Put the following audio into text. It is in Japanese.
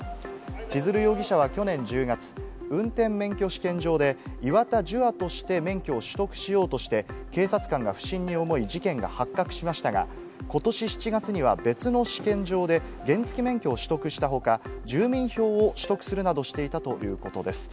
千鶴容疑者は去年１０月、運転免許試験場で、岩田樹亞として免許を取得しようとして、警察官が不審に思い、事件が発覚しましたが、ことし７月には別の試験場で、原付免許を取得したほか、住民票を取得するなどしていたということです。